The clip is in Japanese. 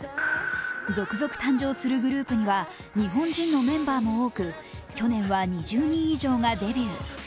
続々誕生するグループには日本人のメンバーも多く去年は２０人以上がデビュー。